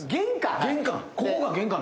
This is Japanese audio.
玄関？